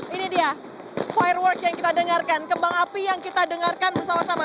ini dia firework yang kita dengarkan kembang api yang kita dengarkan bersama sama